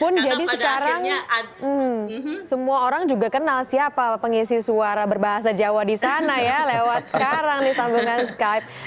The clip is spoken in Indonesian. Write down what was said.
pun jadi sekarang semua orang juga kenal siapa pengisi suara berbahasa jawa di sana ya lewat sekarang di sambungan skype